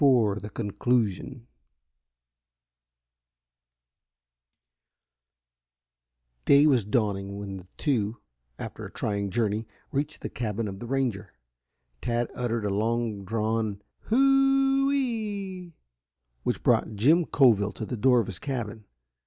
CHAPTER XIV CONCLUSION Day was dawning when the two, after a trying journey, reached the cabin of the ranger. Tad uttered a long drawn "Hoo o o o e e e," which brought Jim Coville to the door of his cabin.